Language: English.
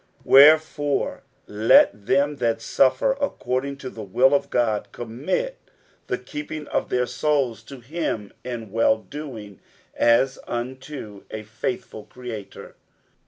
60:004:019 Wherefore let them that suffer according to the will of God commit the keeping of their souls to him in well doing, as unto a faithful Creator.